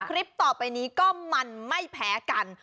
คลิปต่อไปนี้ก็มันไม่แพ้กัน